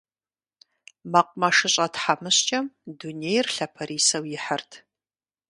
МэкъумэшыщӀэ тхьэмыщкӀэм дунейр лъапэрисэу ихьырт.